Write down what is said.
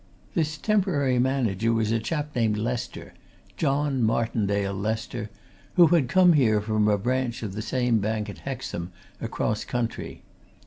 This temporary manager was a chap named Lester John Martindale Lester who had come here from a branch of the same bank at Hexham, across country.